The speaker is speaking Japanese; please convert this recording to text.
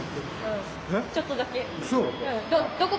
ちょっとだけ。